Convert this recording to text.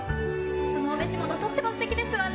そのお召し物、とってもすてきですわね。